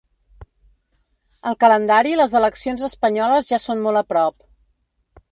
Al calendari les eleccions espanyoles ja són molt a prop.